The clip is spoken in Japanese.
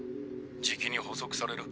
じきに捕捉される。